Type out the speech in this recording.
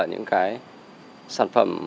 những cái sản phẩm